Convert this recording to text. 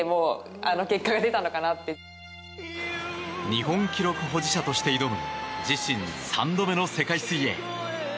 日本記録保持者として挑む自身３度目の世界水泳。